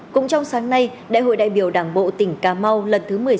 cũng trong sáng nay đại hội đại biểu đảng bộ tỉnh cà mau lần thứ một mươi sáu